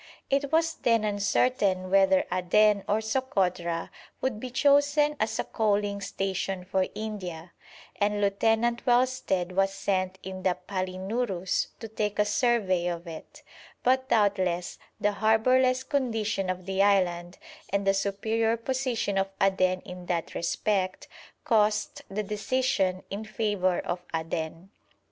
It was then uncertain whether Aden or Sokotra would be chosen as a coaling station for India, and Lieutenant Wellsted was sent in the Palinurus to take a survey of it; but doubtless the harbourless condition of the island, and the superior position of Aden in that respect, caused the decision in favour of Aden.